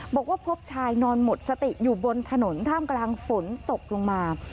บอกว่าพบชายนอนหมดสติอยู่บนถนนท่ามกลางฝนตกลงมา